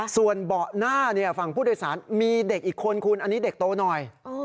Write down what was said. ส่วนเบาะหน้าฝั่งผู้โดยสารมีเด็กอีกคนคุณอันนี้เด็กโตหน่อย